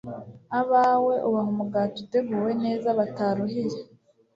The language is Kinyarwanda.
abawe ubaha umugati uteguwe neza bataruhiye